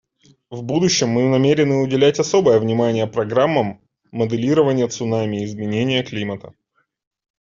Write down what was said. В будущем мы намерены уделять особое внимание программам моделирования цунами и изменения климата.